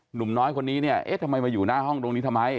หนุ่มน้อยคนนี้เนี่ยเอ๊ะทำไมมาอยู่หน้าห้องตรงนี้ทำไม